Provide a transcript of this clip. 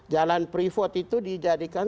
jalan privat itu dijadikan